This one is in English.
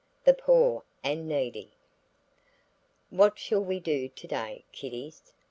THE POOR AND NEEDY "WHAT shall we do to day, kiddies?"